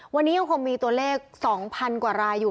วันนี้ยังคงมีตัวเลข๒๐๐๐กว่ารายอยู่